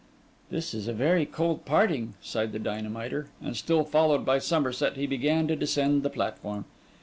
'This is a very cold parting,' sighed the dynamiter; and still followed by Somerset, he began to descend the platform.